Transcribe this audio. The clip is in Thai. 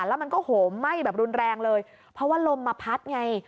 แล้วมันก็โหมไหม้แบบรุนแรงเลยเพราะว่าลมมาพัดไง